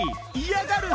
嫌がる